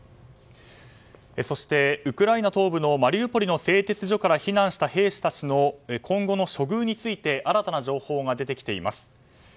そして、ウクライナ東部のマリウポリの製鉄所から避難した兵士たちの今後の処遇について新たな情報が出てきています。